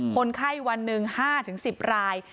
คนไข้วันหนึ่ง๕๑๐ราย